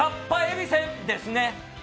びせんですね。